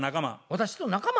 私と仲間？